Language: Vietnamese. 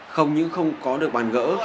không những không có được bàn gỡ